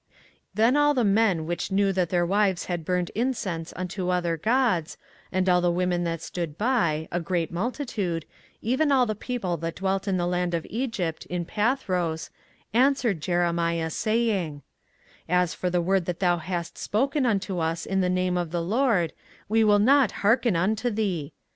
24:044:015 Then all the men which knew that their wives had burned incense unto other gods, and all the women that stood by, a great multitude, even all the people that dwelt in the land of Egypt, in Pathros, answered Jeremiah, saying, 24:044:016 As for the word that thou hast spoken unto us in the name of the LORD, we will not hearken unto thee.